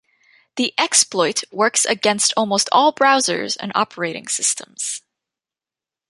The exploit works against almost all browsers and operating systems.